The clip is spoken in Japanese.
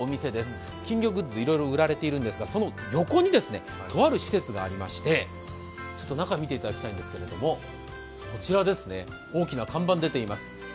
金魚グッズ、いろいろ売られているんですがとある施設がありまして、中を見ていただきたいんですけれども、こちら、大きな看板、出ています。